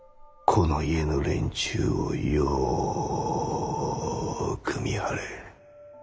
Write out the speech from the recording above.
この家の連中をよく見張れ。